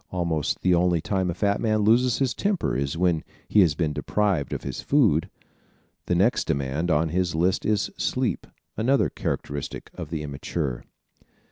Almost the only time a fat man loses his temper is when he has been deprived of his food. The next demand on his list is sleep, another characteristic of the immature.